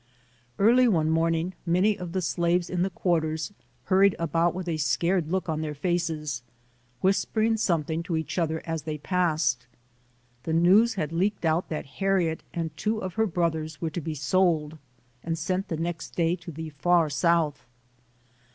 Early one morning many of the slaves in the "quarters" hurried about with a scared look on their faces, whispering something to each other as they passed. The news had leaked out that Harriet and two of her brothers were to be sold and sent the next day to the far South.